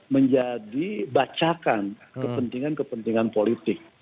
melacakan kepentingan kepentingan politik